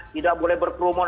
tidak boleh berkerumun